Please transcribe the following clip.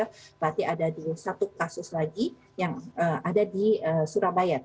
berarti ada satu kasus lagi yang ada di surabaya